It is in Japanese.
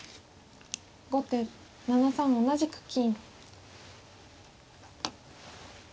後手７三同じく金。